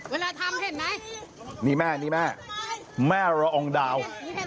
เวลาทำเห็นไหมนี่แม่นี่แม่แม่ละอองดาว